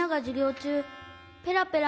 ちゅうペラペラ